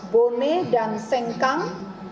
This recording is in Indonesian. bone dan sengkang